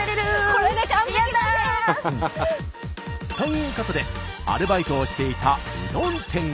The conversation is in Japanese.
これで完璧だ！ということでアルバイトをしていたうどん店へ。